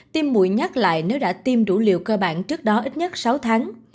tim mũi nhắc lại nếu đã tiêm đủ liều cơ bản trước đó ít nhất sáu tháng